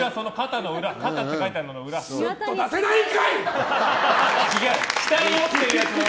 すっと出せないんかい！